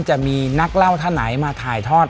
จะมีนักเล่าท่านไหนมาถ่ายทอด